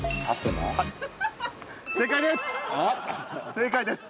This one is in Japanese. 正解です。